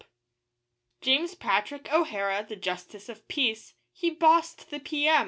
P. James Patrick O'Hara, the Justice of Peace, He bossed the P.M.